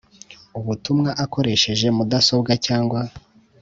Ubutumwa akoresheje mudasobwa cyangwa